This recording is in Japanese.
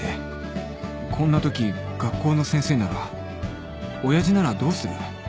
こんなとき学校の先生なら親父ならどうする？